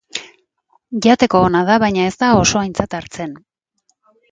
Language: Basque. Jateko ona da, baina ez da oso aintzat hartzen.